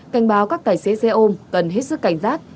cảnh báo các tài xế xe ôm cần hết sức cảnh giác